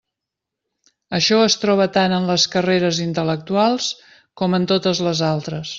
Això es troba tant en les carreres intel·lectuals com en totes les altres.